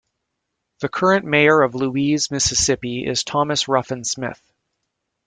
The current Mayor of Louise, Mississippi, is Thomas Ruffin Smith.